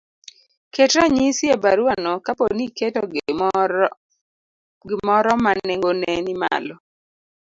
ket ranyisi e baruano kapo ni iketo gimoro ma nengone ni malo,